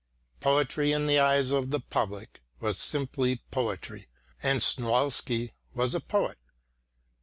Poetry in the eyes of the public, was simply poetry, and Snoilsky was a poet.